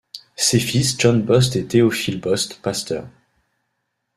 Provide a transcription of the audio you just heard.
Ses fils John Bost et Théophile Bost, pasteurs.